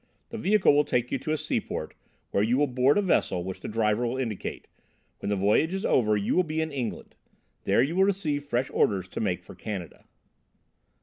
The vehicle will take you to a seaport, where you will board a vessel which the driver will indicate; when the voyage is over you will be in England: there you will receive fresh orders to make for Canada."